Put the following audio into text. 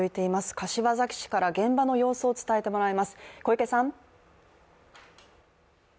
柏崎市から現場の様子を伝えてもらいます。